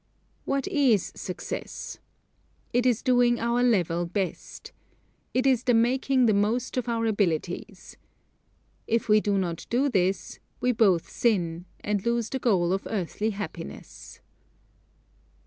What is success? It is doing our level best. It is the making the most of our abilities. If we do not do this we both sin, and lose the goal of earthly happiness.